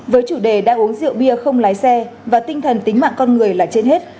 với chủ đề đã uống rượu bia không lái xe và tinh thần tính mạng con người là trên hết